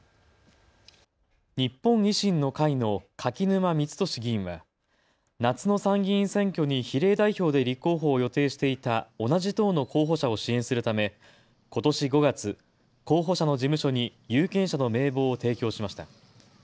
日本維新の会の柿沼光利議員は夏の参議院選挙に比例代表で立候補を予定していた同じ党の候補者を支援するためことし５月、候補者の事務所に有権者の名簿を提供しました。